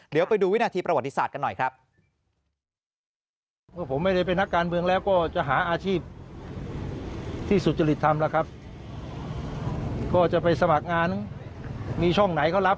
เดี๋ยวไปดูวินาทีประวัติศาสตร์กันหน่อยครับ